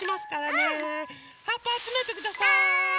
はっぱあつめてください。